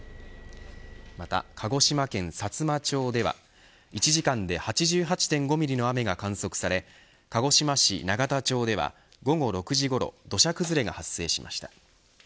また、鹿児島県さつま町では１時間で８８．５ミリの雨が観測され鹿児島市長田町では午後６時ごろ土砂崩れが発生しました。